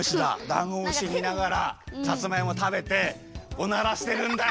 ダンゴムシみながらさつまいもたべておならしてるんだ！